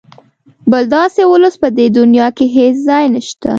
بل داسې ولس په دې دونیا کې هېڅ ځای نشته.